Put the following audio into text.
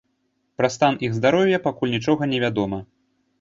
Пра стан іх здароўя пакуль нічога не вядома.